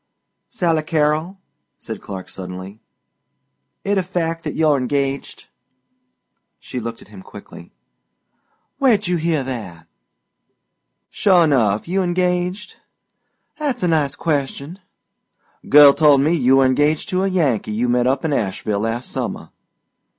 "Sally Carrol," said Clark suddenly, "it a fact that you're engaged?" She looked at him quickly. "Where'd you hear that?" "Sure enough, you engaged?" "'At's a nice question!" "Girl told me you were engaged to a Yankee you met up in Asheville last summer."